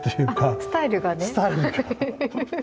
スタイルが。